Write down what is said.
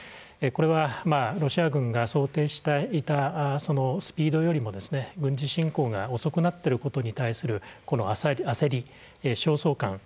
これはロシア軍が想定していたそのスピードよりも軍事侵攻が遅くなってることに対する焦り焦燥感。